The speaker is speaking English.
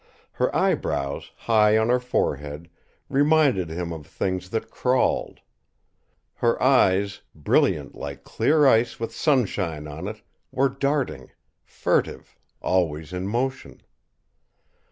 Her eyebrows, high on her forehead, reminded him of things that crawled. Her eyes, brilliant like clear ice with sunshine on it, were darting, furtive, always in motion.